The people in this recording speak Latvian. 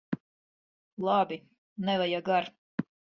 Labi! Nevajag ar'.